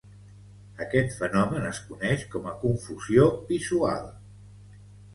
Aquest fenomen es coneix com a "confusió visual".